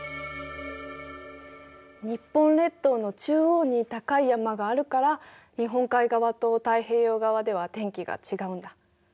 日本列島の中央に高い山があるから日本海側と太平洋側では天気が違うんだ。